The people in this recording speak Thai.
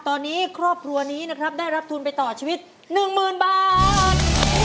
ตอนนี้ครอบครัวนี้นะครับได้รับทุนไปต่อชีวิต๑๐๐๐บาท